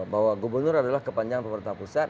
bahwa gubernur adalah kepanjangan pemerintah pusat